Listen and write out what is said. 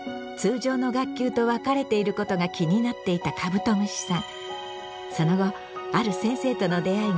通常の学級と分かれていることが気になっていたカブトムシさん。